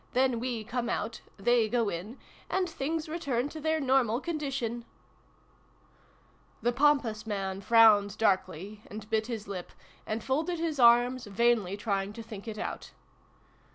Then we come out : they go in : and things return to their normal condition !" The pompous man frowned darkly, and bit his lip, and folded his arms, vainly trying to think it out.